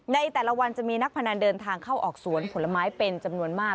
ในแต่ละวันจะมีนักพนันเดินทางเข้าออกสวนผลไม้เป็นจำนวนมาก